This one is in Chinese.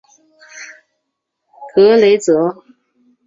格雷泽。